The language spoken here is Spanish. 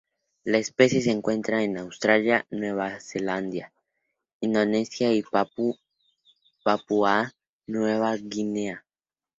La especie se encuentra en Australia, Nueva Caledonia, Indonesia y Papúa Nueva Guinea.